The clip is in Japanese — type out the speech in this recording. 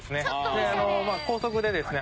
で高速でですね